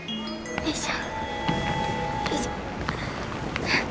よいしょ。